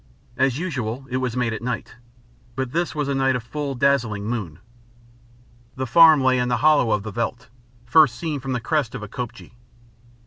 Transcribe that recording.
As usual it was made at night, but this was a night of full dazzling moon. The farm lay in a hollow of the veldt, first seen from the crest of a kopje.